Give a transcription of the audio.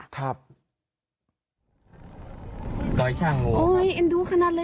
โดยช่างงูครับโดยช่างงูครับโดยช่างงูครับ